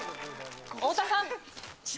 太田さん。